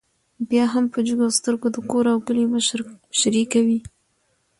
بيا هم په جګو سترګو د کور او کلي مشري کوي